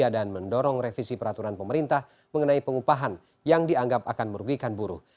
dan mendorong revisi peraturan pemerintah mengenai pengupahan yang dianggap akan merugikan buruh